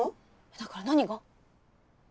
だから何が？